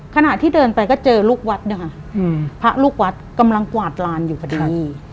ขณะที่เดินไปก็เจอลูกวัดนะคะพระลูกวัดกำลังกวาดลานอยู่พอดี